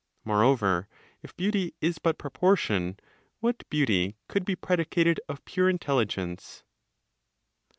Moreover (if beauty is but proportion), what beauty could be predicated of pure intelligence?